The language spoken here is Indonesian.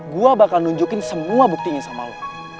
gue bakal nunjukin semua buktinya sama lo